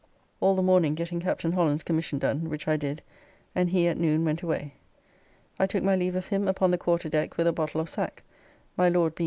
All the morning getting Captain Holland's commission done, which I did, and he at noon went away. I took my leave of him upon the quarter deck with a bottle of sack, my Lord being just set down to dinner.